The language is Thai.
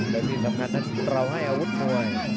โดยสิ่งสำคัญนะคู่เราให้อาวุธมวย